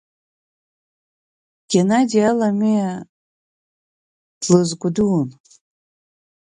Генади Аламиа длызгәыдуун.